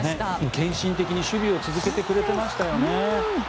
献身的に守備を続けてくれてましたよね。